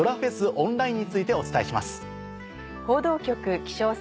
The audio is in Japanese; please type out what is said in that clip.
オンラインについてお伝えします。